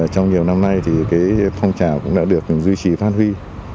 trong nhiều năm nay thì cái phong trào cũng đã được mình duy trì phát huy